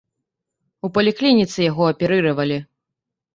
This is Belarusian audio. У паліклініцы яго аперыравалі.